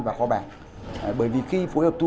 và kho bạc bởi vì khi phối hợp thu